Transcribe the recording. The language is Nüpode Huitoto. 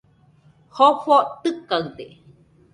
Jofo tɨkaɨde